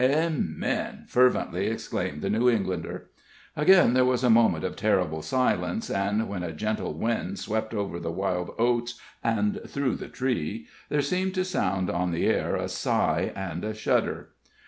"Amen!" fervently exclaimed the New Englander. Again there was a moment of terrible silence, and when a gentle wind swept over the wild oats and through the tree, there seemed to sound on the air a sigh and a shudder.